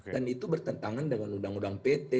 dan itu bertentangan dengan undang undang pt